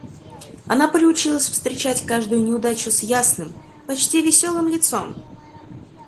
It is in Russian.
Она приучилась встречать каждую неудачу с ясным, почти весёлым лицом.